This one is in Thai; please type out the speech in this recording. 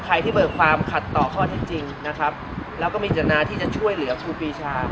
ใครที่เบิกความขัดต่อข้อเท็จจริงนะครับแล้วก็มีจนาที่จะช่วยเหลือครูปีชา